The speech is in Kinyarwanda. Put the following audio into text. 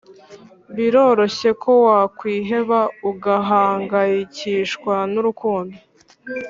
Biroroshye ko wakwiheba ugahangayikishwa nurukundo